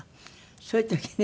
そういう時ね